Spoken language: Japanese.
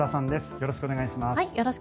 よろしくお願いします。